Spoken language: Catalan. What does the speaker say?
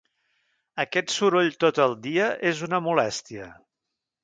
Aquest soroll tot el dia és una molèstia.